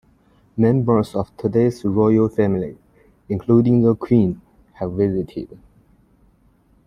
Members of today's Royal Family, including the Queen, have visited.